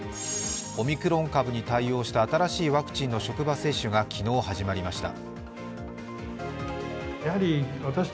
オミクロン株に対応した新しいワクチンの職場接種が昨日、始まりました。